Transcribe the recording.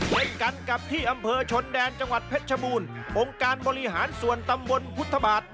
เช่นกันกับที่อำเภอชนแดนจังหวัดเพชรชบูรณ์องค์การบริหารส่วนตำบลพุทธบาท